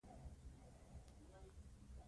لون وولف سایینټیفیک او یو پوډل سپی